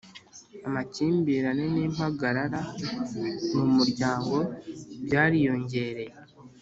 amakimbirane n’impagarara mu muryango byariyongereye